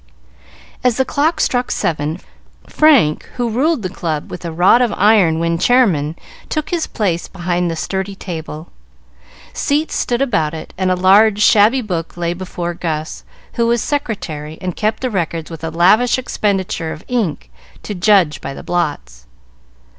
As the clock struck seven, Frank, who ruled the club with a rod of iron when Chairman, took his place behind the study table. Seats stood about it, and a large, shabby book lay before Gus, who was Secretary, and kept the records with a lavish expenditure of ink, to judge by the blots.